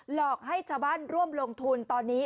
หลอกให้ชาวบ้านร่วมลงทุนตอนนี้